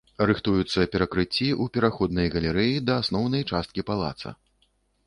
Рыхтуюцца перакрыцці ў пераходнай галерэі да асноўнай часткі палаца.